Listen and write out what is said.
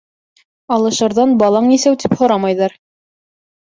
Алашарҙан балаң нисәү, тип һорамайҙар.